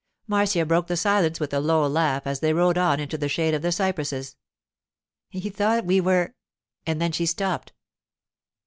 Marcia broke the silence with a low laugh as they rode on into the shade of the cypresses. 'He thought we were——' and then she stopped.